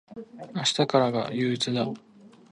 明日からが憂鬱だ。